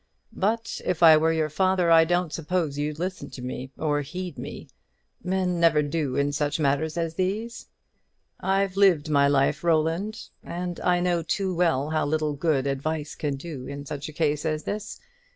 But if I were your father, I don't suppose you'd listen to me, or heed me. Men never do in such matters as these. I've lived my life, Roland, and I know too well how little good advice can do in such a case as this.